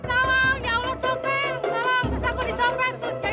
tolong sasaran aku di copet